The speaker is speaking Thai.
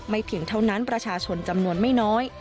เพียงเท่านั้นประชาชนจำนวนไม่น้อย